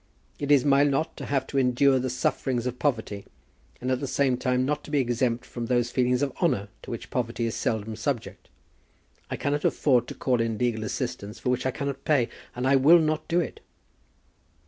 It is my lot to have to endure the sufferings of poverty, and at the same time not to be exempt from those feelings of honour to which poverty is seldom subject. I cannot afford to call in legal assistance for which I cannot pay, and I will not do it."